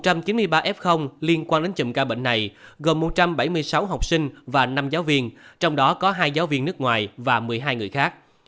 trong một trăm chín mươi ba f liên quan đến chùm ca bệnh này gồm một trăm bảy mươi sáu học sinh và năm giáo viên trong đó có hai giáo viên nước ngoài và một mươi hai người khác